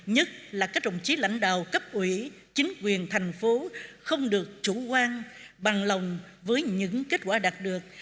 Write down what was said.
nhất là các đồng chí lãnh đạo cấp ủy chính quyền thành phố không được chủ quan bằng lòng với những kết quả đạt được